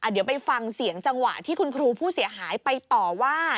เดี๋ยวไปฟังเสียงจังหวะที่คุณครูผู้เสียหายไปต่อว่า